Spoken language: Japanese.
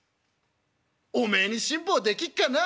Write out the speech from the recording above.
おめえに辛抱できっかな？」。